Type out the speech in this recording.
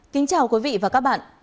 kính chào quý vị và các bạn